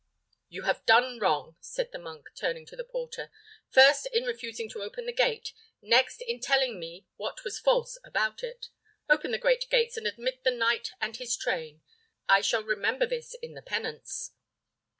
"You have done wrong," said the monk, turning to the porter; "first, in refusing to open the gate, next, in telling me what was false about it. Open the great gates, and admit the knight and his train. I shall remember this in the penance."